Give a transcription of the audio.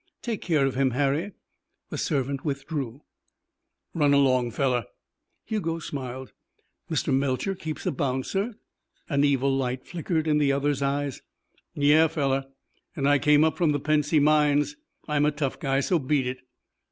Take care of him, Harry." The servant withdrew. "Run along, fellow." Hugo smiled. "Mr. Melcher keeps a bouncer?" An evil light flickered in the other's eyes. "Yeah, fellow. And I came up from the Pennsy mines. I'm a tough guy, so beat it."